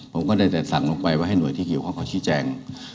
ผมก็ได้แต่สั่งลงไปว่าให้หน่วยที่เกี่ยวข้องเขาชี้แจง